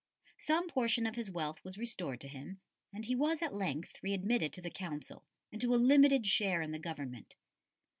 Some portion of his wealth was restored to him, and he was at length readmitted to the Council and to a limited share in the government.